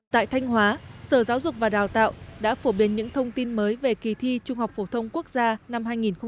tại thanh hóa sở giáo dục và đào tạo đã phổ biến những thông tin mới về kỳ thi trung học phổ thông quốc gia năm hai nghìn một mươi tám